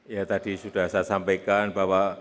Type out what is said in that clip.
ya tadi sudah saya sampaikan bahwa